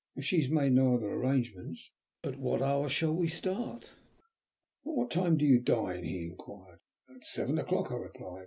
If she has made no other arrangements, at what hour shall we start?" "At what time do you dine?" he inquired. "At seven o'clock," I replied.